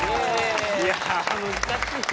いやあ難しいよ。